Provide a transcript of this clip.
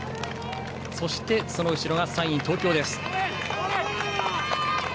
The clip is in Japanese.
そしてその後ろが３位、東京です。